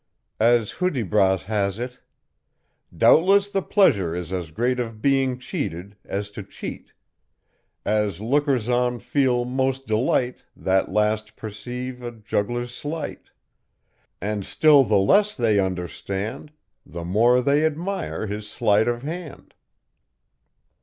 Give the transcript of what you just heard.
As Hudibras has it: "Doubtless the pleasure is as great Of being cheated as to cheat; As lookers on feel most delight That least perceive a juggler's sleight; And still the less they understand, The more they admire his sleight of hand."